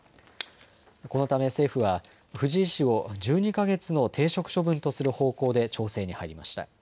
このため政府は藤井氏を１２か月の停職処分とする方向で調整に入りました。